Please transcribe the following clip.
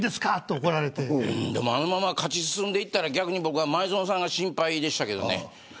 あのまま勝ち進んでいったら前園さんが心配でしたけどね。